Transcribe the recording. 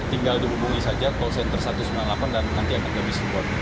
tinggal dihubungi saja call center satu ratus sembilan puluh delapan dan nanti akan kami support